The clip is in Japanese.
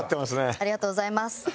ありがとうございます。